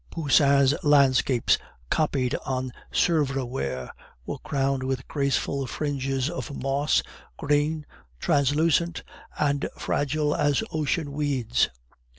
Poussin's landscapes, copied on Sevres ware, were crowned with graceful fringes of moss, green, translucent, and fragile as ocean weeds.